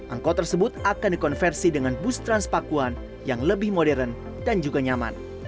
angkot tersebut akan dikonversi dengan bus transpakuan yang lebih modern dan juga nyaman